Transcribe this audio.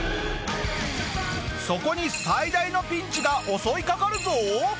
そこに最大のピンチが襲いかかるぞ。